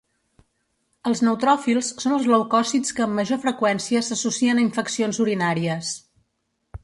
Els neutròfils són els leucòcits que amb major freqüència s'associen a infeccions urinàries.